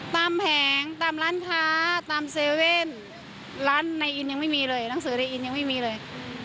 ตามแผงตามร้านค้าตามเซเว่นร้านในอินย์ยังไม่มีเลย